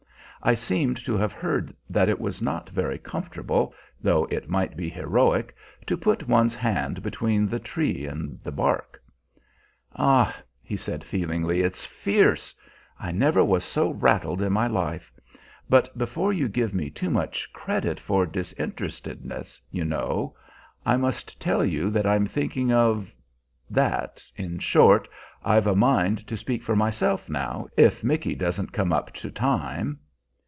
I seemed to have heard that it was not very comfortable, though it might be heroic, to put one's hand between the tree and the bark. "Ah," he said feelingly, "it's fierce! I never was so rattled in my life. But before you give me too much credit for disinterestedness, you know, I must tell you that I'm thinking of that in short, I've a mind to speak for myself now, if Micky doesn't come up to time."